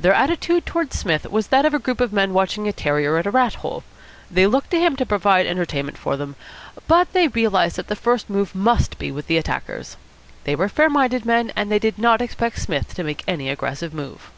Their attitude towards Psmith was that of a group of men watching a terrier at a rat hole. They looked to him to provide entertainment for them, but they realised that the first move must be with the attackers. They were fair minded men, and they did not expect Psmith to make any aggressive move.